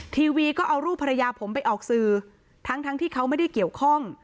ทีวีก็เอารูปภรรยาผมไปออกสื่อทั้งทั้งที่เขาไม่ได้เกี่ยวข้อง